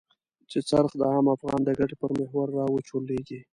چې څرخ د عام افغان د ګټې پر محور را وچورليږي.